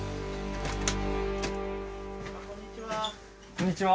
こんにちは。